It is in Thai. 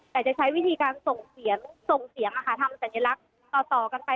แต่จะใช้วิธีการส่งเสียงส่งเสียงทำสัญลักษณ์ต่อกันไป